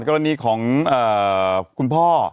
กรณีของคุณพ่อ